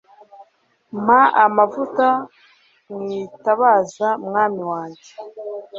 mpa amavuta mwitabaza mwami wanjye